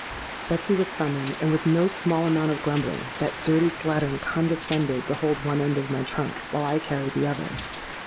Betsy was summoned; and with no small amount of grumbling, that dirty slattern condescended to hold one end of my trunk, while I carried the other.